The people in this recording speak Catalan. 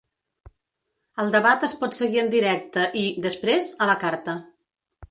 El debat es pot seguir en directe i, després, a la carta.